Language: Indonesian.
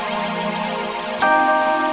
apa yang bye dah writes